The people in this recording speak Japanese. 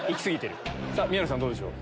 宮野さんどうでしょう？